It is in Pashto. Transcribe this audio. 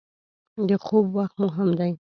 • د خوب وخت مهم دی.